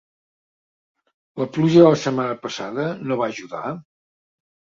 La pluja de la setmana passada no van ajudar?